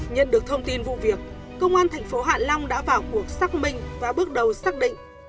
nhận được thông tin vụ việc công an thành phố hạ long đã vào cuộc xác minh và bước đầu xác định